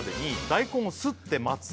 「大根をすって待つ」